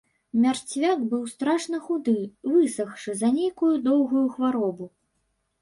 Мярцвяк быў страшна худы, высахшы за нейкую доўгую хваробу.